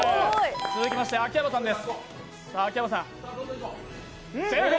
続きまして、秋山さん、セーフ！